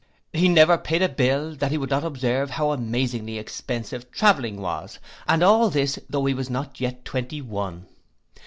He never paid a bill, that he would not observe, how amazingly expensive travelling was, and all this though he was not yet twenty one.